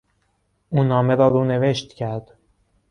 او نامه را رونوشت کرد.